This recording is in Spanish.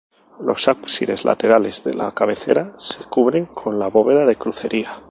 Los ábsides laterales de la cabecera se cubren con bóveda de crucería.